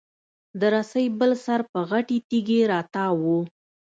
د رسۍ بل سر په غټې تېږي راتاو و.